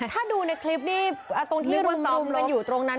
ถ้าดูในคลิปนี้ตรงที่รุมกันอยู่ตรงนั้น